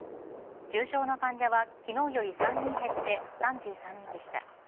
重症の患者はきのうより３人減って３３人でした。